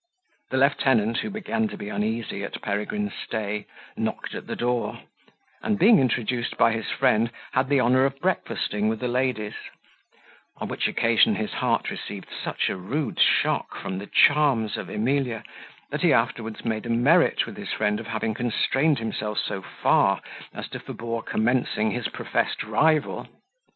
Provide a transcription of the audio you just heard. The lieutenant, who began to be uneasy at Peregrine's stay, knocked at the door, and, being introduced by his friend, had the honour of breakfasting with the ladies; on which occasion his heart received such a rude shock from the charms of Emilia, that he afterwards made a merit with his friend of having constrained himself so far, as to forbear commencing his professed rival.